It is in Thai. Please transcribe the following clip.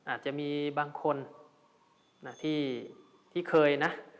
อาจจะมีบางคนที่เคยนะ